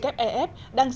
đang diễn ra trong nước